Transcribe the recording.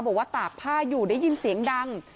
ตากผ้าอยู่ได้ยินเสียงดัง